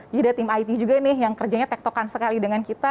jadi ada tim it juga nih yang kerjanya tek tokan sekali dengan kita